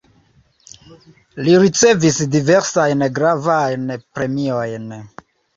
Li ricevis diversajn gravajn premiojn.